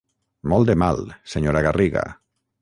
Molt de mal, senyora Garriga.